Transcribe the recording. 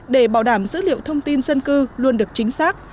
để bảo đảm dữ liệu thông tin dân cư luôn được chính xác